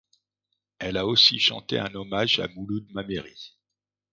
Elle a aussi chanté un hommage à Mouloud Mammeri.